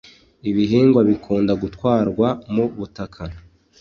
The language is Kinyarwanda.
ibihingwa bikunda gutwarwa mu butaka